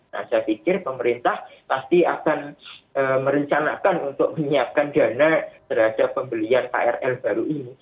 nah saya pikir pemerintah pasti akan merencanakan untuk menyiapkan dana terhadap pembelian krl baru ini